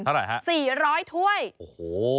เท่าไหร่ค่ะแน่น๔๐๐ถ้วยโอ้โห